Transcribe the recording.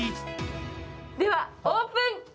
では、オープン！